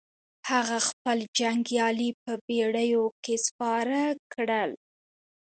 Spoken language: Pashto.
هغه خپل جنګيالي په بېړيو کې سپاره کړل.